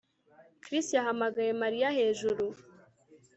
Chris yahamagaye Mariya hejuru